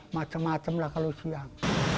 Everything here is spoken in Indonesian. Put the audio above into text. macem macem lah kalau siang